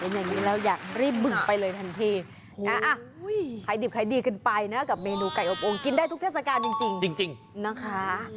เป็นอย่างนี้เราอยากรีบบึกไปเลยทันทีใครดิบใครดีขึ้นไปนะกับเมนูไก่อบองกินได้ทุกเทศกาลจริงนะคะ